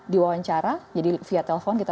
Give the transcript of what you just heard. diwawancara jadi via telepon kita